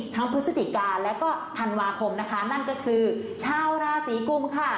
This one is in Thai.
พฤศจิกาและก็ธันวาคมนะคะนั่นก็คือชาวราศีกุมค่ะ